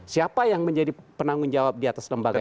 siapa yang menjadi penanggung jawab di atas lembaga ini